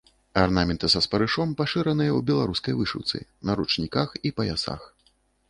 Арнаменты са спарышом пашыраныя ў беларускай вышыўцы, на ручніках і паясах.